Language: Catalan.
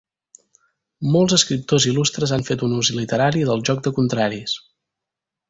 Molts escriptors il·lustres han fet un ús literari del joc de contraris.